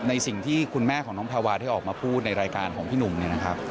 ในสิ่งที่คุณแม่ของน้องแพรวาได้ออกมาพูดในรายการของพี่หนุ่มเนี่ยนะครับ